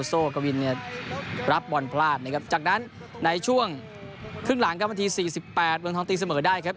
โซ่กวินเนี่ยรับบอลพลาดนะครับจากนั้นในช่วงครึ่งหลังครับนาที๔๘เมืองทองตีเสมอได้ครับ